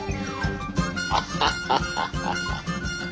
アハハハハハ。